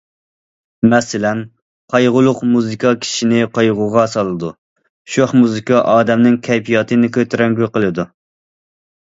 مەسىلەن، قايغۇلۇق مۇزىكا كىشىنى قايغۇغا سالىدۇ، شوخ مۇزىكا ئادەمنىڭ كەيپىياتىنى كۆتۈرەڭگۈ قىلىدۇ.